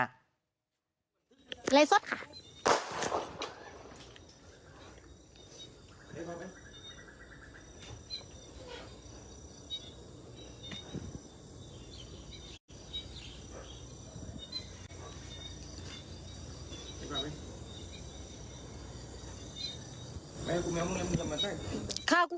เห้ยโดดมึง